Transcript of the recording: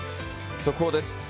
速報です。